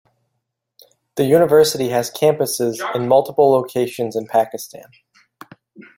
The university has campuses in multiple locations in Pakistan.